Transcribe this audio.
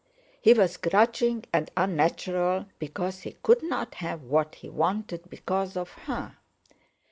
he was grudging and unnatural because he couldn't have what he wanted because of her.